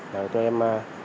rồi tụi em